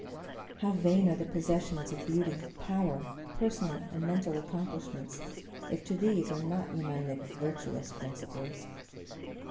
How vain are the possessions of beauty, power, personal and mental accomplishments, if to these are not united virtuous principles.